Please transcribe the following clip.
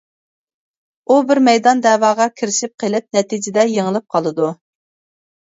ئۇ بىر مەيدان دەۋاغا كىرىشىپ قېلىپ، نەتىجىدە، يېڭىلىپ قالىدۇ.